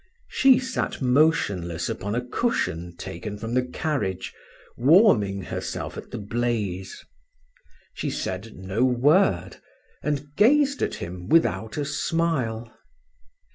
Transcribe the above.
She sat motionless upon a cushion taken from the carriage, warming herself at the blaze; she said no word, and gazed at him without a smile.